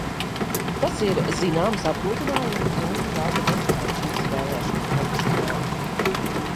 Tas ir zināms apgrūtinājums un rada neskaidrības vēlēšanu komisijām.